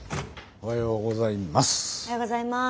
おはようございます。